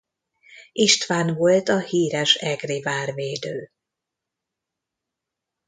István volt a híres egri várvédő.